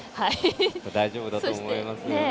大丈夫だと思いますね。